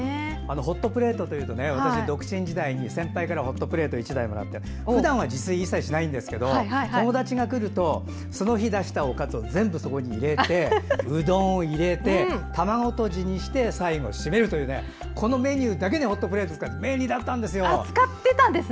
ホットプレートというと私独身時代に先輩からホットプレートを１台もらってふだんは自炊をしたりしないんですけど、友達が来るとその日出したおかずを全部そこに入れてうどんを入れて卵とじにして最後締めるというこのメニューだけにホットプレートを使って便利だったんですよ。